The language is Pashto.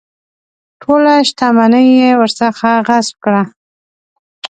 ټوله شته مني یې ورڅخه غصب کړه.